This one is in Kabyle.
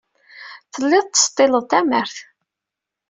Telliḍ tettseḍḍileḍ tamart.